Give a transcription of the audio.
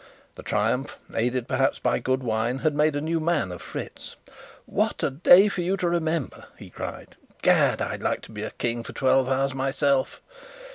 The triumph, aided perhaps by good wine, had made a new man of Fritz. "What a day for you to remember!" he cried. "Gad, I'd like to be King for twelve hours myself!